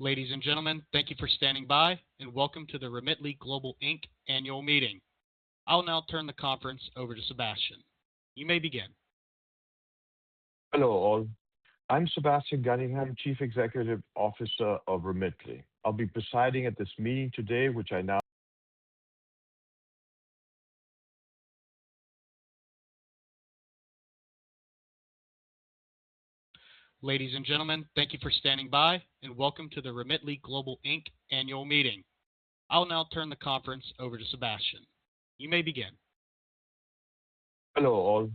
Ladies and gentlemen, thank you for standing by and welcome to the Remitly Global, Inc. annual meeting. I'll now turn the conference over to Sebastian. You may begin. Hello all. I'm Sebastian Gunningham, Chief Executive Officer of Remitly. I'll be presiding at this meeting today. Ladies and gentlemen, thank you for standing by and welcome to the Remitly Global, Inc. annual meeting. I'll now turn the conference over to Sebastian. You may begin. Hello all.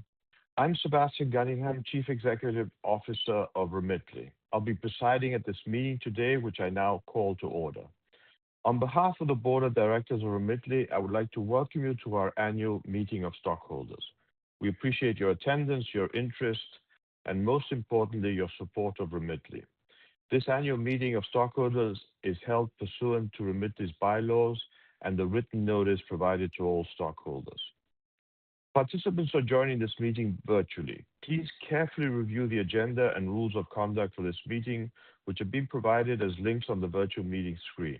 I'm Sebastian Gunningham, Chief Executive Officer of Remitly. I'll be presiding at this meeting today, which I now call to order. On behalf of the Board of Directors of Remitly, I would like to welcome you to our annual meeting of stockholders. We appreciate your attendance, your interest, and most importantly, your support of Remitly. This annual meeting of stockholders is held pursuant to Remitly's bylaws and the written notice provided to all stockholders. Participants are joining this meeting virtually. Please carefully review the agenda and rules of conduct for this meeting, which have been provided as links on the virtual meeting screen.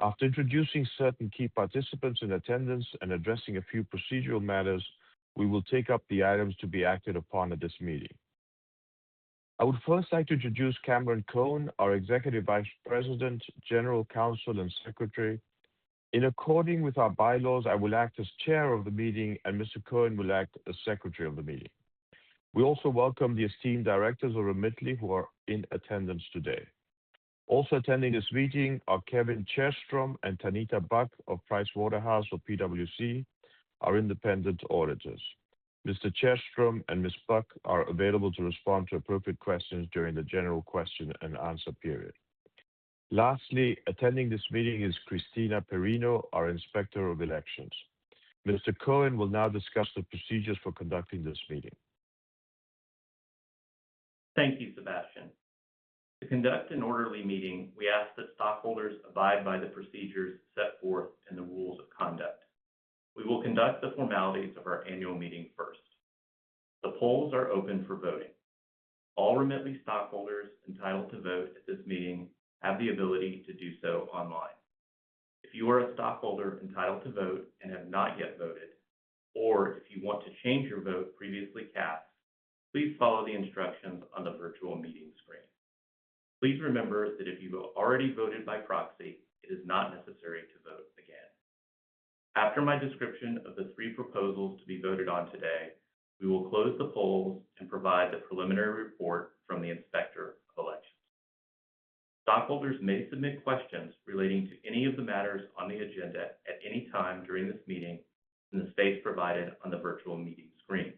After introducing certain key participants in attendance and addressing a few procedural matters, we will take up the items to be acted upon at this meeting. I would first like to introduce Cameron Cohen, our Executive Vice President, General Counsel, and Secretary. In accordance with our bylaws, I will act as Chair of the meeting, and Mr. Cohen will act as Secretary of the meeting. We also welcome the esteemed directors of Remitly, who are in attendance today. Also attending this meeting are Kevin Cherrstrom and Tanita Buck of PricewaterhouseCoopers or PwC, our independent auditors. Mr. Cherrstrom and Ms. Buck are available to respond to appropriate questions during the general question and answer period. Lastly, attending this meeting is Christina Perino, our Inspector of Elections. Mr. Cohen will now discuss the procedures for conducting this meeting. Thank you, Sebastian. To conduct an orderly meeting, we ask that stockholders abide by the procedures set forth in the rules of conduct. We will conduct the formalities of our annual meeting first. The polls are open for voting. All Remitly stockholders entitled to vote at this meeting have the ability to do so online. If you are a stockholder entitled to vote and have not yet voted, or if you want to change your vote previously cast, please follow the instructions on the virtual meeting screen. Please remember that if you have already voted by proxy, it is not necessary to vote again. After my description of the three proposals to be voted on today, we will close the polls and provide the preliminary report from the Inspector of Elections. Stockholders may submit questions relating to any of the matters on the agenda at any time during this meeting in the space provided on the virtual meeting screen.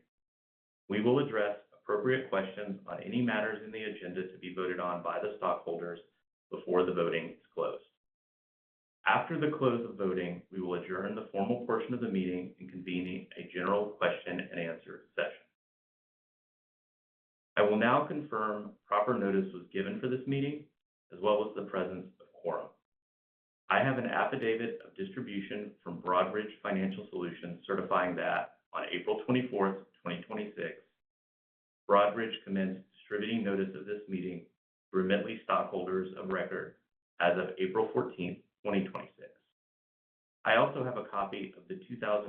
We will address appropriate questions on any matters in the agenda to be voted on by the stockholders before the voting is closed. After the close of voting, we will adjourn the formal portion of the meeting and convene a general question and answer session. I will now confirm proper notice was given for this meeting, as well as the presence of quorum. I have an affidavit of distribution from Broadridge Financial Solutions certifying that on April 24th, 2026, Broadridge commenced distributing notice of this meeting to Remitly stockholders of record as of April 14th, 2026. I also have a copy of the 2025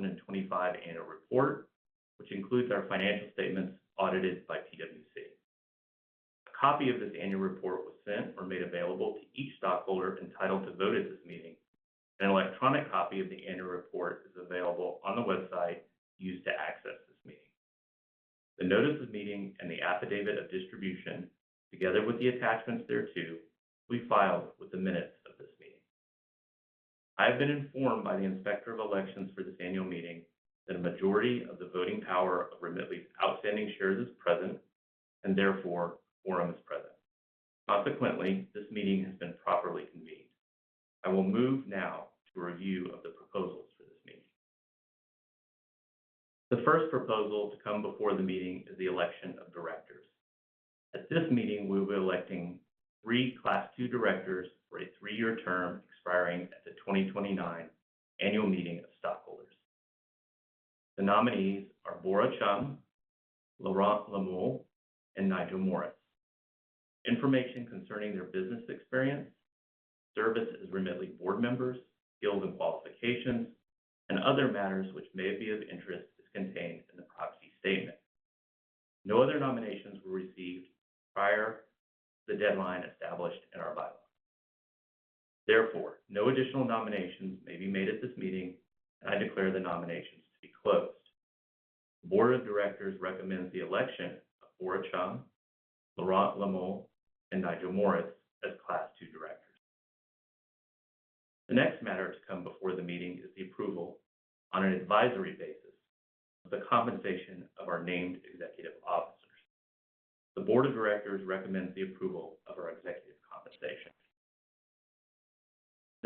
annual report, which includes our financial statements audited by PwC. A copy of this annual report was sent or made available to each stockholder entitled to vote at this meeting. An electronic copy of the annual report is available on the website used to access this meeting. The notice of meeting and the affidavit of distribution, together with the attachments thereto, will be filed with the minutes of this meeting. I have been informed by the Inspector of Elections for this annual meeting that a majority of the voting power of Remitly's outstanding shares is present, and therefore quorum is present. Consequently, this meeting has been properly convened. I will move now to a review of the proposals for this meeting. The first proposal to come before the meeting is the election of directors. At this meeting, we will be electing three Class II directors for a three-year term expiring at the 2029 annual meeting of stockholders. The nominees are Bora Chung, Laurent Le Moal, and Nigel Morris. Information concerning their business experience, service as Remitly board members, skills and qualifications, and other matters which may be of interest is contained in the proxy statement. No other nominations were received prior to the deadline established in our bylaws. Therefore, no additional nominations may be made at this meeting, and I declare the nominations to be closed. The board of directors recommends the election of Bora Chung, Laurent Le Moal, and Nigel Morris as Class II directors. The next matter to come before the meeting is the approval on an advisory basis of the compensation of our named executive officers. The board of directors recommends the approval of our executive compensation.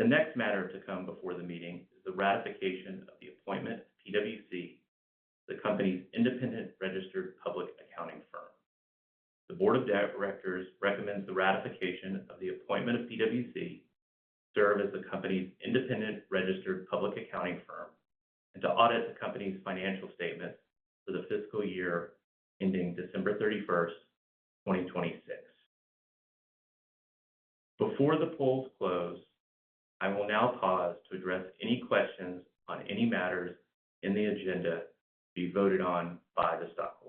The next matter to come before the meeting is the ratification of the appointment of PwC, the company's independent registered public accounting firm. The board of directors recommends the ratification of the appointment of PwC to serve as the company's independent registered public accounting firm and to audit the company's financial statements for the fiscal year ending December 31st, 2026. Before the polls close, I will now pause to address any questions on any matters in the agenda to be voted on by the stockholders.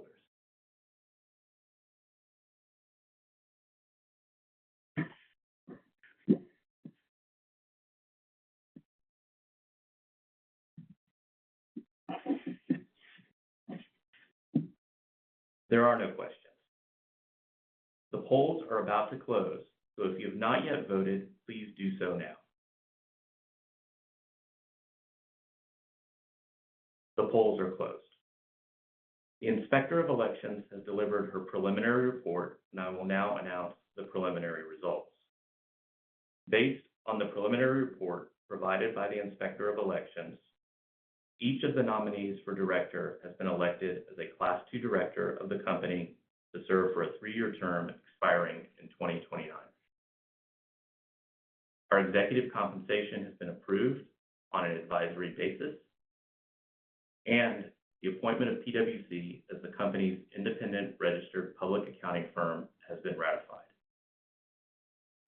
There are no questions. The polls are about to close, so if you have not yet voted, please do so now. The polls are closed. The Inspector of Elections has delivered her preliminary report, and I will now announce the preliminary results. Based on the preliminary report provided by the Inspector of Elections, each of the nominees for director has been elected as a Class II director of the company to serve for a three-year term expiring in 2029. Our executive compensation has been approved on an advisory basis, and the appointment of PwC as the company's independent registered public accounting firm has been ratified.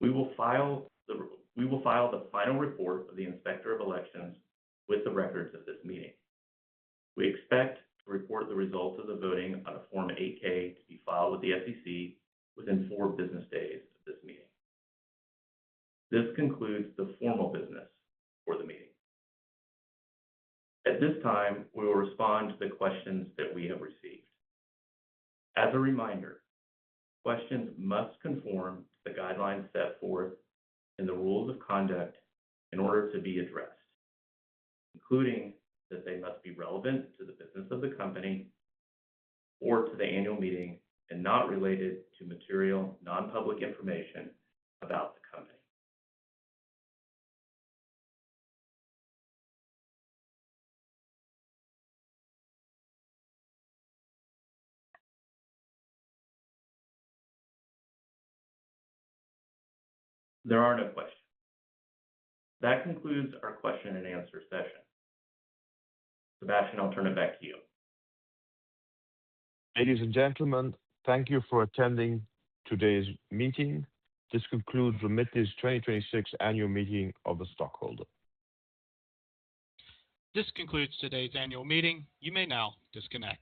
We will file the final report of the Inspector of Elections with the records of this meeting. We expect to report the results of the voting on a Form 8-K to be filed with the SEC within four business days of this meeting. This concludes the formal business for the meeting. At this time, we will respond to the questions that we have received. As a reminder, questions must conform to the guidelines set forth in the rules of conduct in order to be addressed, including that they must be relevant to the business of the company or to the annual meeting and not related to material non-public information about the company. There are no questions. That concludes our question and answer session. Sebastian, I'll turn it back to you. Ladies and gentlemen, thank you for attending today's meeting. This concludes Remitly's 2026 annual meeting of the stockholder. This concludes today's annual meeting. You may now disconnect.